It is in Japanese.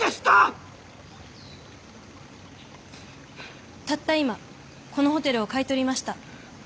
たった今このホテルを買い取りました。